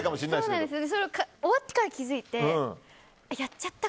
それ、終わってから気づいて。